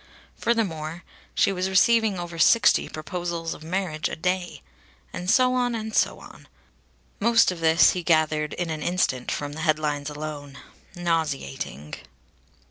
Furthermore, she was receiving over sixty proposals of marriage a day. And so on and so on! Most of this he gathered in an instant from the headlines alone. Nauseating!